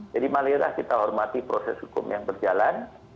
jadi marilah kita hormati proses hukum yang berjalan